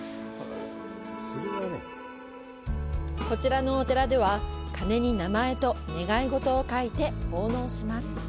こちらのお寺では、鐘に名前と願い事を書いて奉納します。